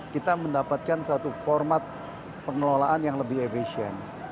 kita mendapatkan satu format pengelolaan yang lebih efisien